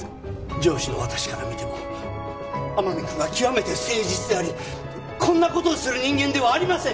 上司の私から見ても天海君は極めて誠実でありこんなことをする人間ではありません！